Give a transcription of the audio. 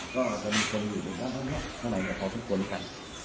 ก็จะมีคนอยู่ตรงด้านมาขนกของทุกคนนี้กัน